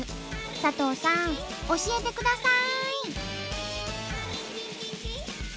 佐藤さん教えてください！